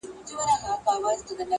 خوله په غاښو ښايسته وي.